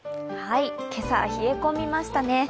今朝、冷え込みましたね。